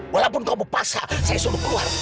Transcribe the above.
walaupun kamu pasak saya suruh keluar